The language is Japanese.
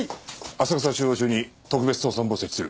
浅草中央署に特別捜査本部を設置する。